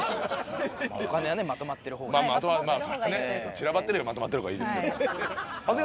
散らばってるよりまとまってる方がいいですけど。